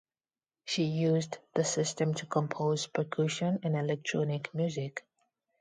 She used the system to compose percussion and electronic music.